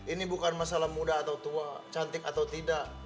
ini bukan masalah muda atau tua cantik atau tidak